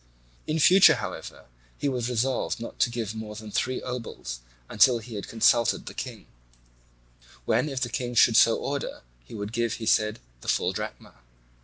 In future, however, he was resolved not to give more than three obols, until he had consulted the King; when if the King should so order he would give, he said, the full drachma.